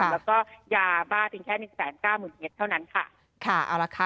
แล้วก็ยาบ้าเพียงแค่หนึ่งแสนเก้าหมื่นเมตรเท่านั้นค่ะค่ะเอาละค่ะ